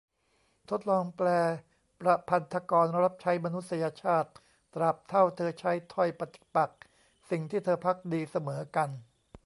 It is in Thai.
ทดลองแปล :"ประพันธกรรับใช้มนุษยชาติ ตราบเท่าเธอใช้ถ้อยปฏิปักษ์สิ่งที่เธอภักดี เสมอกัน"